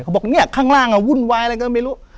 บอกเนี่ยข้างล่างวุ่นวายอะไรก็ไม่รู้